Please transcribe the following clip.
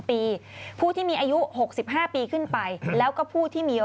ปีผู้ที่มีอายุ๖๕ปีขึ้นไปแล้วก็ผู้ที่มี